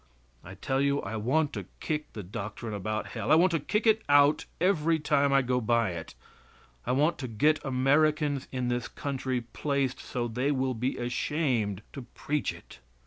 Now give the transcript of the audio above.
I tell you I want to kick the doctrine about Hell I want to kick it out every time I go by it. I want to get Americans in this country placed so they will be ashamed to preach it.